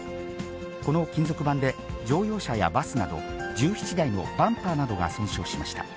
この金属板で、乗用車やバスなど、１７台のバンパーなどが損傷しました。